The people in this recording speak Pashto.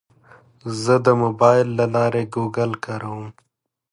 زه د موبایل له لارې ګوګل کاروم.